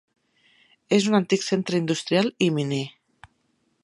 És un antic centre industrial i miner.